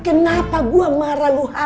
itu makanya kenapa gua marah lu hamil